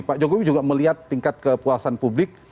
pak jokowi juga melihat tingkat kepuasan publik